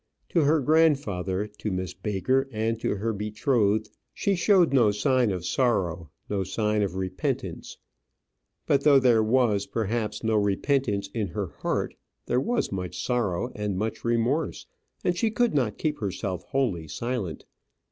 To her grandfather, to Miss Baker, and to her betrothed, she showed no sign of sorrow, no sign of repentance; but though there was, perhaps, no repentance in her heart, there was much sorrow and much remorse, and she could not keep herself wholly silent.